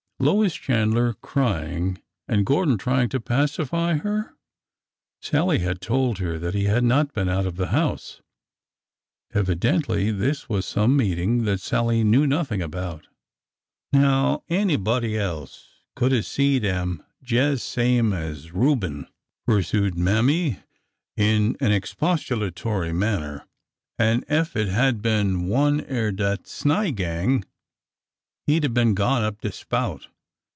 Lois Chandler cry ing and Gordon trying to pacify her! ... Sallie had told her that he had not been out of the house ;... evi dently, this was some meeting that Sallie knew nothing about. Now, anybody else could 'a' seed 'em jes' same as Reuben," pursued Mammy, in an expostulatory manner; an' ef it had been one er dat Snai gang, he 'd 'a' been gone up de spout!